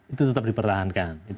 itu tetap dipertahankan